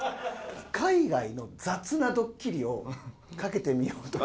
海外の雑なドッキリを掛けてみようと。